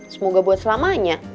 semoga buat selamanya